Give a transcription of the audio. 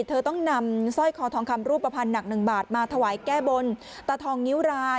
เธอต้องนำสร้อยคอทองคำรูปภัณฑ์หนักหนึ่งบาทมาถวายแก้บนตาทองนิ้วราย